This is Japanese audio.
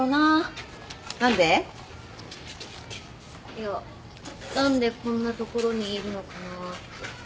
いや何でこんな所にいるのかなって。